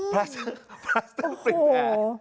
พลาสเตอร์ปิดแผล